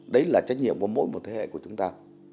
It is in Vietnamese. đấy là trách nhiệm của mỗi một thế hệ của chúng ta